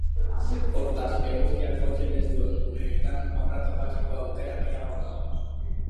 Hortaz, eguzkiak jotzen ez duen guneetan haurra topatzeko aukera gehiago dago.